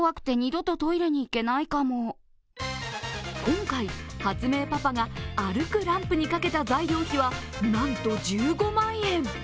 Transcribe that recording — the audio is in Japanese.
今回、発明パパが歩くランプにかけた材料費は、なんと１５万円！